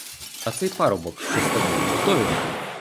А цей парубок, що з тобою, хто він?